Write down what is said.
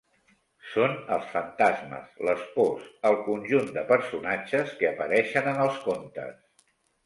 Són els fantasmes, les pors, el conjunt de personatges que apareixen en els contes.